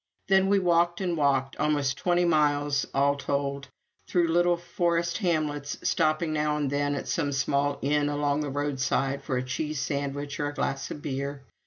Then we walked and walked almost twenty five miles all told through little forest hamlets, stopping now and then at some small inn along the roadside for a cheese sandwich or a glass of beer.